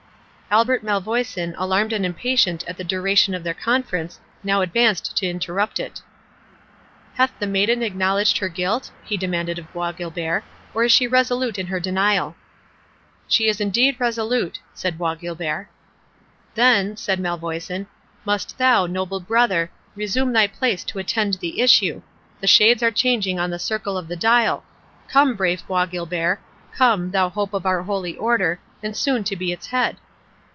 Albert Malvoisin, alarmed and impatient at the duration of their conference, now advanced to interrupt it. "Hath the maiden acknowledged her guilt?" he demanded of Bois Guilbert; "or is she resolute in her denial?" "She is indeed resolute," said Bois Guilbert. "Then," said Malvoisin, "must thou, noble brother, resume thy place to attend the issue—The shades are changing on the circle of the dial—Come, brave Bois Guilbert—come, thou hope of our holy Order, and soon to be its head."